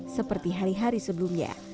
seperti hari hari sebelumnya